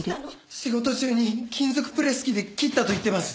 仕事中に金属プレス機で切ったと言ってます。